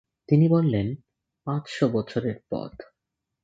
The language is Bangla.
তিনি বললেন, পাঁচশ বছরের পথ।